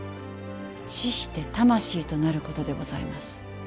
死して魂となることでございます。